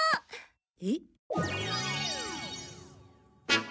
えっ？